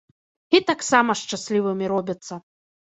І таксама шчаслівымі робяцца.